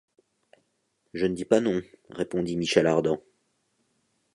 Je ne dis pas non », répondit Michel Ardan.